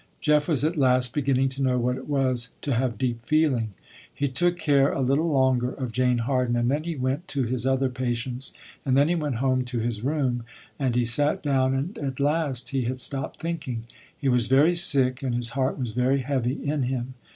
Jeff was at last beginning to know what it was to have deep feeling. He took care a little longer of Jane Harden, and then he went to his other patients, and then he went home to his room, and he sat down and at last he had stopped thinking. He was very sick and his heart was very heavy in him.